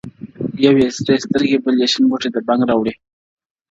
یو یې سرې سترګي بل یې شین بوټی دبنګ را وړی,